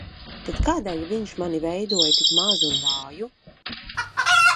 Tad kādēļ viņš mani veidoja tik mazu un vāju?